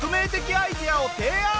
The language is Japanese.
アイデアを提案。